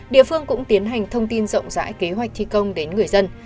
địa phương cũng tiến hành thông tin rộng rãi kế hoạch thi công đến người dân